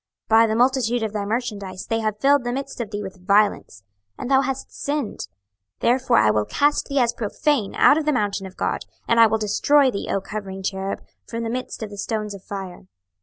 26:028:016 By the multitude of thy merchandise they have filled the midst of thee with violence, and thou hast sinned: therefore I will cast thee as profane out of the mountain of God: and I will destroy thee, O covering cherub, from the midst of the stones of fire.